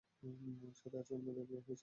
সাথে আছি আপনাদের প্রিয় হুইসেল মহালক্ষী।